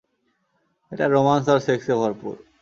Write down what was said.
এটা রোমান্স আর সেক্সে ভরপুর।